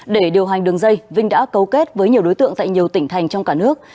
để điều hành đường dây vinh đã cấu kết với nhiều đối tượng tại nhiều tỉnh thành trong cả nước